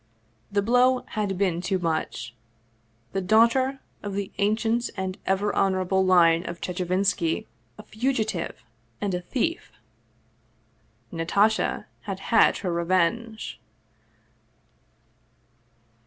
The blow had been too much the daughter of the ancient and ever hon orable line of Chechevinski a fugitive and a thief! Natasha had had her revenge.